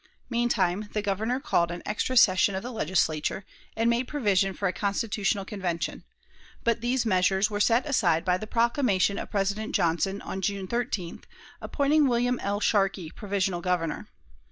Meantime the Governor called an extra session of the Legislature, and made provision for a Constitutional Convention; but these measures were set aside by the proclamation of President Johnson, on June 13th, appointing William L. Sharkey provisional Governor.